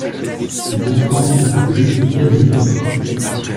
Ces constantes sont appelées des Casimirs